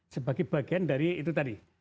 sebagai bagian dari itu tadi